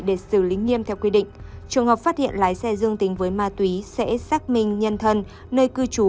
để xử lý nghiêm theo quy định trường hợp phát hiện lái xe dương tính với ma túy sẽ xác minh nhân thân nơi cư trú